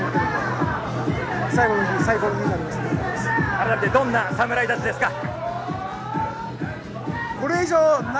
改めてどんな侍たちですか？